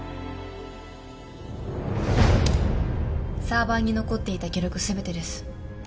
サーバーに残っていた記録全てです